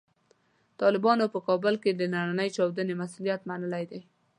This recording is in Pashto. طالبانو په کابل کې د نننۍ چاودنې مسوولیت منلی دی.